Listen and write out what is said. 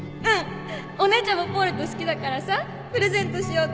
お姉ちゃんもポーレット好きだからさプレゼントしようと思って